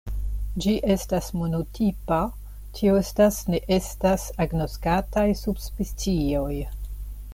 Ĝi estas monotipa, tio estas, ne estas agnoskataj subspecioj.